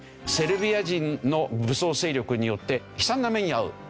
セルビア人の武装勢力によって悲惨な目に遭う。